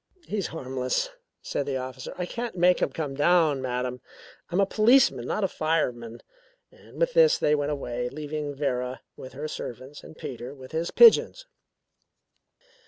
"He's harmless," said the officer. "I can't make him come down, madam. I'm a policeman, not a fireman." And with this they went away, leaving Vera with her servants and Peter with his pigeons.